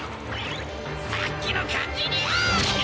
さっきの感じニャ！